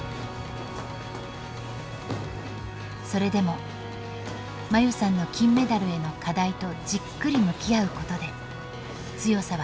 それでも真優さんの金メダルへの課題とじっくり向き合うことで強さは培える。